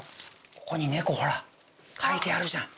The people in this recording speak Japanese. ここに猫ほら描いてあるじゃん。